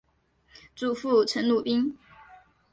祖父陈鲁宾。